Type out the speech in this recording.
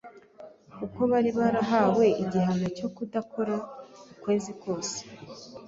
kuko bari barahawe igihano cyo kudakora ukwezi kose